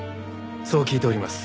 そう聞いております。